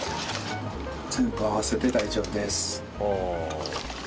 全部合わせて大丈夫です。